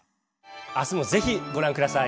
「明日もぜひご覧下さい」。